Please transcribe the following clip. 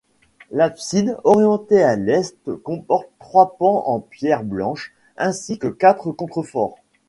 L'abside, orientée à l'est, comporte trois pans en pierres blanches, ainsi que quatre contreforts.